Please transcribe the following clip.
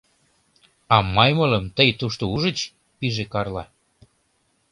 — А маймылым тый тушто ужыч? — пиже Карла.